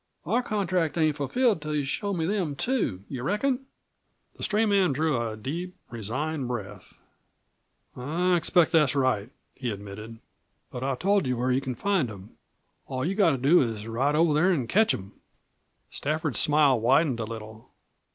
Our contract ain't fulfilled until you show me them too. You reckon?" The stray man drew a deep, resigned breath. "I expect that's right," he admitted. "But I've told you where you can find them. All you've got to do is to ride over there an' catch them." Stafford's smile widened a little.